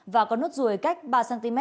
và có nốt ruồi cách ba cm